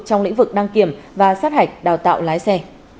trong lĩnh vực đăng kiểm và sát hạch đào tạo lái xe